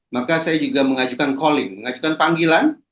maka saya juga mengajukan calling mengajukan panggilan